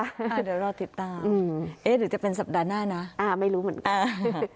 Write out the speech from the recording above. เดี๋ยวรอติดตามเอ๊ะหรือจะเป็นสัปดาห์หน้านะไม่รู้เหมือนกัน